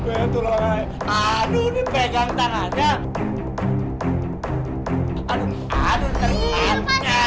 aduh ini pegang tangannya